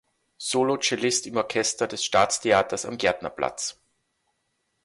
Solocellist im Orchester des Staatstheaters am Gärtnerplatz.